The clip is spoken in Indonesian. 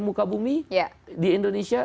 muka bumi di indonesia